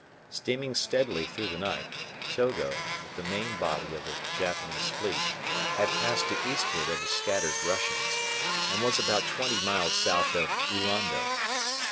Steaming steadily through the night, Togo, with the main body of the Japanese fleet, had passed to eastward of the scattered Russians, and was about twenty miles south of Ullondo.